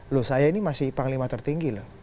loh saya ini masih panglima tertinggi loh